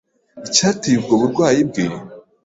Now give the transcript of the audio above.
icyateye ubwo burwayi bwe